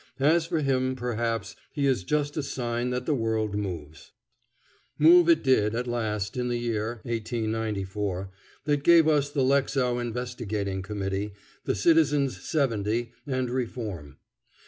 As for him, perhaps, he is just a sign that the world moves. Move it did at last in the year (1894) that gave us the Lexow Investigating Committee, the Citizens' Seventy, and reform.